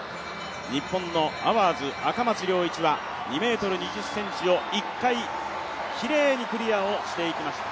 日本のアワーズ、赤松諒一は２ｍ２０ｃｍを１回きれいにクリアをしていきました。